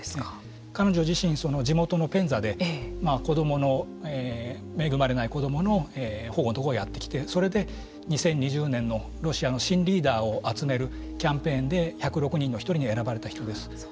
彼女自身地元のペンザで子どもの、恵まれない子どもの保護等をやってきてそれで２０２０年のロシアの新リーダーを集めるキャンペーンで１０６人の１人に選ばれた人です。